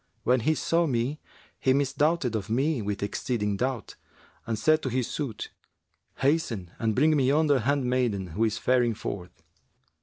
When he saw me, he misdoubted of me with exceeding doubt, and said to his suite, 'Hasten and bring me yonder handmaiden who is faring forth.'